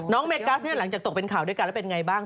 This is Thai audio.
เมกัสเนี่ยหลังจากตกเป็นข่าวด้วยกันแล้วเป็นไงบ้าง